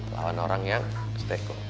lawan orang yang seteko